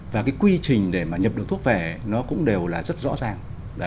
và cái quy trình để mà nhập được thuốc về nó cũng đều là rất rõ ràng